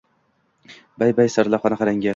Bay-bay, sarlavhani qarang-a